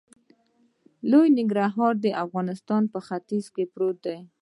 لوی ننګرهار د افغانستان په ختیځ کې پروت دی.